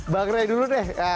bang ray dulu deh